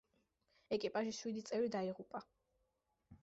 ეკიპაჟის შვიდი წევრი დაიღუპა.